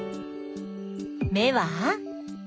目は？